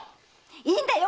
いいんだよ！